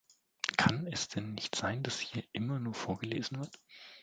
Kann es denn nicht sein, daß hier immer nur vorgelesen wird?